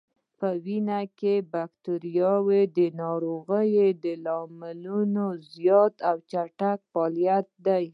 په وینه کې بکتریا د ناروغیو د لاملونو زیات او چټک فعالیت دی.